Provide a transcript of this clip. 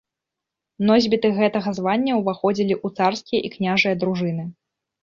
Носьбіты гэтага звання ўваходзілі ў царскія і княжыя дружыны.